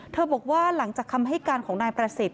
บอกว่าหลังจากคำให้การของนายประสิทธิ